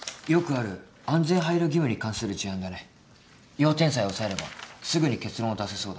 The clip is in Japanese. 要点さえ押さえればすぐに結論は出せそうだ。